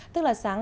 tức là sáng sáng